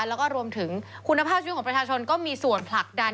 แล้วก็รวมถึงคุณภาพชีวิตของประชาชนก็มีส่วนผลักดัน